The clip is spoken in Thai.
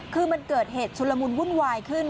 คือมันเกิดเหตุชุลมุนวุ่นวายขึ้น